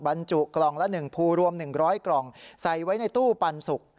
บรรจุกล่องละ๑ภูรวม๑๐๐กล่องใส่ไว้ในตู้ปันสุก